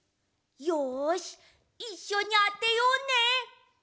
よしいっしょにあてようね！